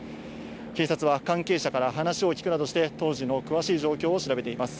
警察は、関係者から話を聴くなどして、当時の詳しい状況を調べています。